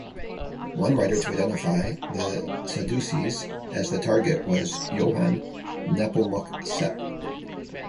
One writer to identify the Sadducees as the target was Johann Nepomuk Sepp.